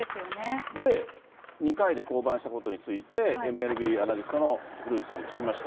で、２回で降板したことについて、ＭＬＢアナリストのふるいちさんに聞きました。